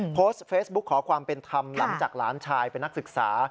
โพสต์เฟซบุ๊กขอความเป็นธรรมหลังจากหลานชายเป็นนักศึกษา